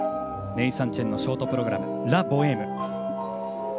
ネイサン・チェンのショートプログラム「ラ・ボエーム」。